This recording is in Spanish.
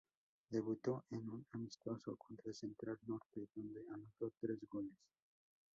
Debutó en un amistoso contra Central Norte, donde anotó tres goles.